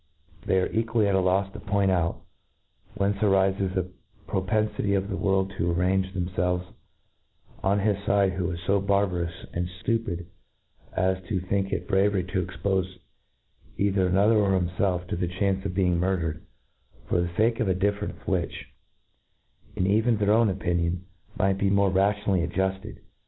They are equally a£ a lofs to point out, whence arlfes the propenfity of the world to arrange themfelves on his fide, who is fo barbarous and ftupid as to / think it bravery to expofe either anojher or him felf to the chance of being murdered, for the fake of a difference which, in even their own opinion, might be more rationally adjufted.